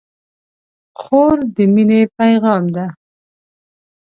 خور د مینې پیغام ده.